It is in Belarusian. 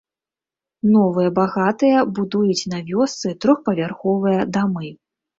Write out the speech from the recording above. Новыя багатыя будуюць на вёсцы трохпавярховыя дамы.